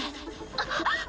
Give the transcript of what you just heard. あっ。